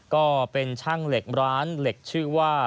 ก็เป็นช่างเหล็กร้านเหล็กชื่อว่า